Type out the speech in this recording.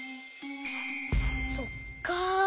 そっか。